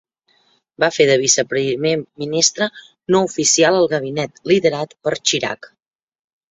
Va fer de viceprimer ministre no oficial al gabinet liderat per Chirac.